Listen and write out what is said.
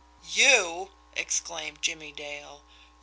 "You!" exclaimed Jimmie Dale.